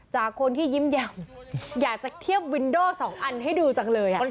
จากคนที่ยิ้มแย่มอยากจะเทียบวินโดสองอันให้ดูจังเลย